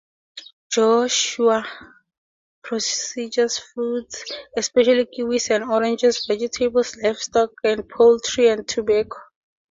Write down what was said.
Jishou produces fruits, especially kiwis and oranges, vegetables, livestock and poultry, and tobacco.